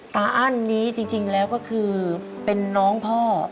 อั้นนี้จริงแล้วก็คือเป็นน้องพ่อ